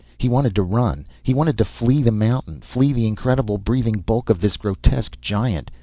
He wanted to run. He wanted to flee the mountain, flee the incredible breathing bulk of this grotesque giant.